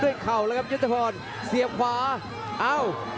ยกตะพรเสียบขวา